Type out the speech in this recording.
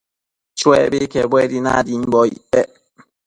Chuebi quebuedi nadimbocpec